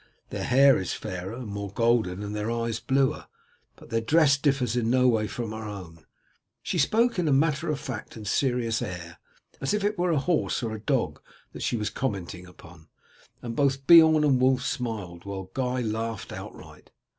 Their hair is fairer and more golden and their eyes bluer, but their dress differs in no way from our own." She spoke in a matter of fact and serious air, as if it were a horse or a dog that she was commenting upon, and both Beorn and Wulf smiled, while Guy laughed outright.